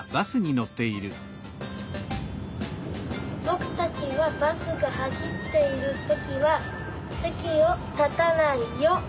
ぼくたちはバスがはしっているときはせきをたたないよ。